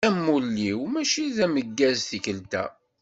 Amulli-w mačči d ameggaz tikelt-a.